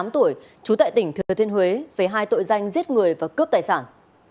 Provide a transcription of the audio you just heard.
bốn mươi tám tuổi chú tại tỉnh thừa thiên huế về hai tội danh giết người và cướp tài sản